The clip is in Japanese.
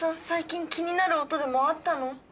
最近気になる音でもあったの？